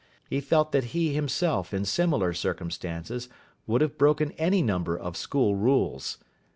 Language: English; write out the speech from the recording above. He felt that he himself in similar circumstances would have broken any number of school rules.